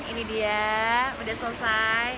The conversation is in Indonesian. ini dia sudah selesai